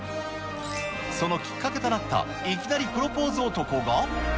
そのきっかけとなったいきなりプロポーズ男が。